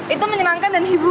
itu menyenangkan dan hiburan